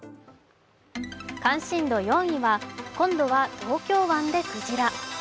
関心度４位は、今度は東京湾でクジラ。